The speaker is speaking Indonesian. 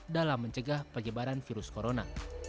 dalam mencegah penyebaran virus corona